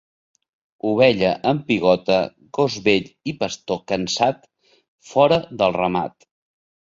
Ovella amb pigota, gos vell i pastor cansat, fora del ramat.